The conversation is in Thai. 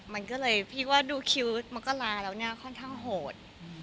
มันก็เลยพี่ว่าดูคิวมันก็ลาแล้วเนี่ยค่อนข้างโหด